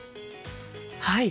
はい！